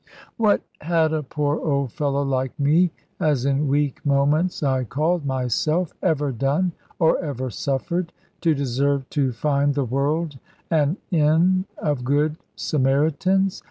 What had a poor old fellow like me as in weak moments I called myself ever done, or even suffered, to deserve to find the world an Inn of good Samaritans?